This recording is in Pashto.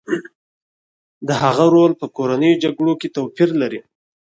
د هغه رول په کورنیو جګړو کې توپیر لري